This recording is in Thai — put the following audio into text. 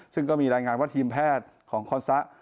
ซึ่งก็มีรายงานว่าทีมแพทย์ของคอนซะ